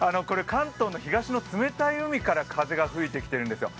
関東の東の冷たい海から風が吹いてきているんですよ。